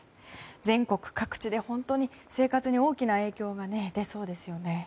全国各地で本当に生活に大きな影響が出そうですよね。